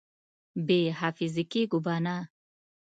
بې حافظې کېږو به نه!